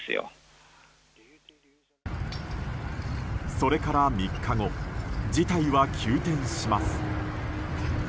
それから３日後事態は急転します。